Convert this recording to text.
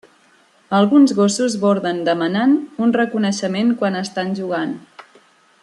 Alguns gossos borden demanant un reconeixement quan estan jugant.